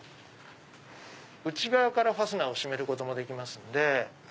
内側からファスナーを閉めることもできますんで。